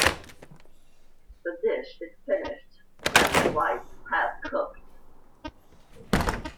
The dish is finished when the rice has cooked.